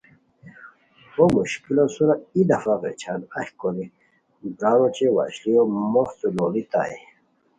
بو مشکلو سورا ای دفعہ غیچھان اہی کوری برارو اوچہ وشلیو موختو لوڑیتائے